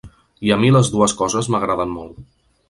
I a mi les dues coses m’agraden molt.